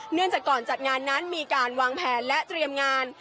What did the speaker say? จากก่อนจัดงานนั้นมีการวางแผนและเตรียมงาน